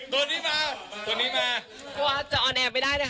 โลกงานมันไม่ง่ายหวอก็อยู่แล้วไซส์บูรค